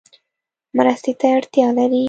مرستې ته اړتیا لری؟